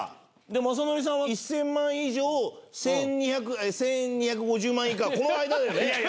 で雅紀さんは１０００万以上１２５０万以下この間だよね。